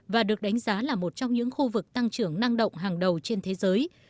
và được đánh giá là một trong những khu vực tăng trưởng năng động hàng đầu trên thế giới